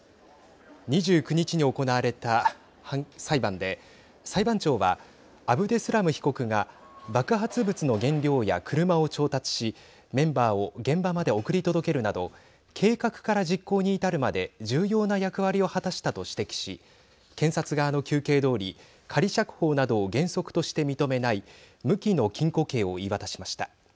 ２９日に行われた裁判で裁判長はアブデスラム被告が爆発物の原料や車を調達しメンバーを現場まで送り届けるなど計画から実行に至るまで重要な役割を果たしたと指摘し検察側の求刑どおり仮釈放などを原則として認めない無期の禁錮刑を言い渡しました。